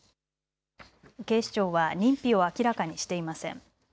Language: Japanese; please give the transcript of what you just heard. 警視庁は認否を明らかにしていません。